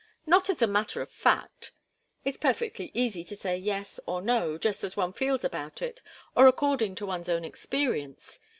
Not as a matter of fact. It's perfectly easy to say yes, or no, just as one feels about it, or according to one's own experience.